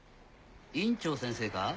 院長先生か？